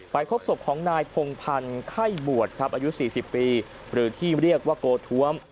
พบศพของนายพงพันธ์ไข้บวชครับอายุ๔๐ปีหรือที่เรียกว่าโกท้วม